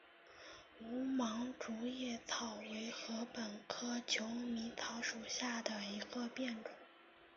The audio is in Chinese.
无芒竹叶草为禾本科求米草属下的一个变种。